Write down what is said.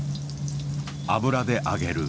油で揚げる。